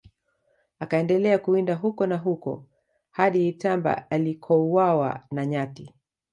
Akaendelea kuwinda huko na huko hadi Itamba alikouawa na nyati